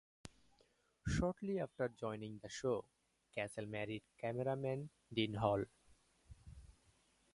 Shortly after joining the Show, Castle married cameraman Dean Hall.